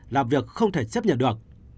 là việc không thể chấp nhận được